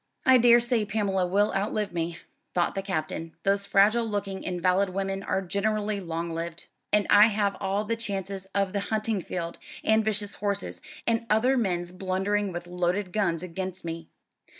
"I daresay Pamela will outlive me," thought the Captain; "those fragile looking invalid women are generally long lived. And I have all the chances of the hunting field, and vicious horses, and other men's blundering with loaded guns, against me.